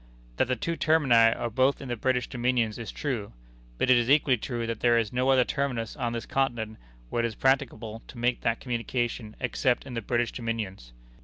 "That the two termini are both in the British dominions is true; but it is equally true that there is no other terminus on this continent where it is practicable to make that communication except in the British dominions.